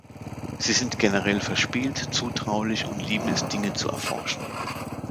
Sie sind generell verspielt, zutraulich und lieben es Dinge zu erforschen.